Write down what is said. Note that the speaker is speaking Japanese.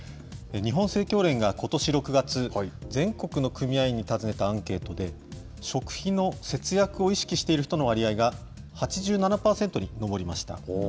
日本生協連がことし６月、全国の組合員に尋ねたアンケートで、食費の節約を意識している人の割合が８７％に上りました。